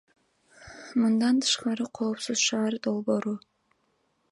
Мындан тышкары, Коопсуз шаар долбоору.